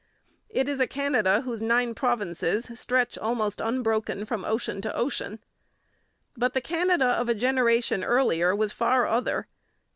It is a Canada whose nine provinces stretch almost unbroken from ocean to ocean. But the Canada of a generation earlier was far other.